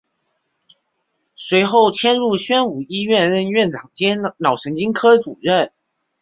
随后迁入宣武医院任院长兼脑神经科主任。